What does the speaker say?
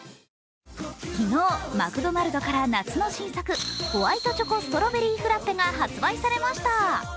昨日、マクドナルドから夏の新作、ホワイトチョコストロベリーフラッペが発売されました。